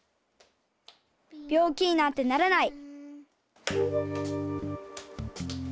びょう気になんてならない！